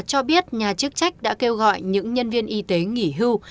cho biết nhà chức trách đã kêu gọi những nhân viên y tế nghỉ hưu